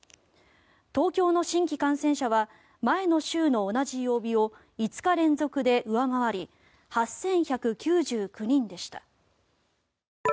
東京の新規感染者は前の週の同じ曜日を５日連続で上回り８１９９人でした。